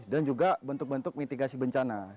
dan juga bentuk bentuk mitigasi bencana